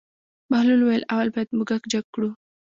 بهلول وویل: اول باید موږک جګ کړو.